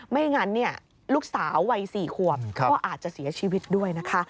ไม่งั้นลูกสาววัย๔ขวบก็อาจจะเสียชีวิตด้วยนะคะ